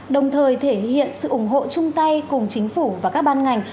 đồng thời thể hiện sự ủng hộ chung tay cùng chính phủ và các ban ngành